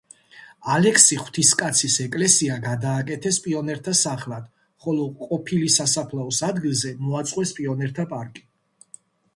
ალექსი ღვთისკაცის ეკლესია გადააკეთეს პიონერთა სახლად, ხოლო ყოფილი სასაფლაოს ადგილზე მოაწყვეს პიონერთა პარკი.